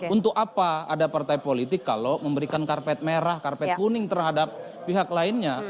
untuk apa ada partai politik kalau memberikan karpet merah karpet kuning terhadap pihak lainnya